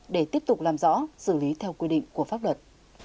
để tiếp tục làm rõ xử lý theo quy định của pháp luật